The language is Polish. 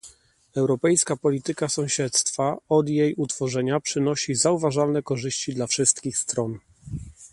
Europejska Polityka Sąsiedztwa od jej utworzenia przynosi zauważalne korzyści dla wszystkich stron